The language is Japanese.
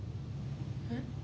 えっ？